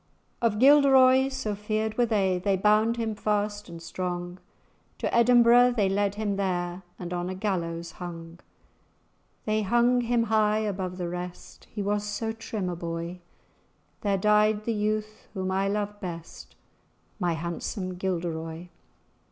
"Of Gilderoy so feared they were, They bound him fast and strong; To Edinbro' they led him there, And on a gallows hung. They hung him high above the rest, He was so trim a boy; There died the youth whom I loved best, My handsome Gilderoy."